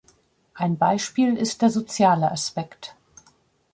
Ein Beispiel ist der soziale Aspekt.